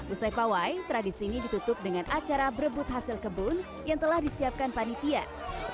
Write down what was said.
usai pawai tradisi ini ditutup dengan acara berebut hasil kebun yang telah disiapkan panitia